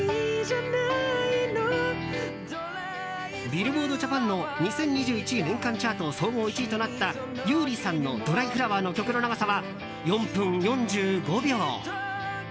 ビルボード・ジャパンの２０２１年年間チャート総合１位となった優里さんの「ドライフラワー」の曲の長さは４分４５秒。